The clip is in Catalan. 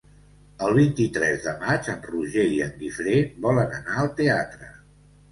El vint-i-tres de maig en Roger i en Guifré volen anar al teatre.